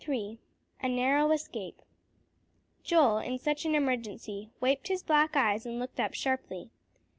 III A NARROW ESCAPE Joel, in such an emergency, wiped his black eyes and looked up sharply.